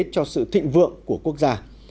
cho sự thịnh vượng của quốc gia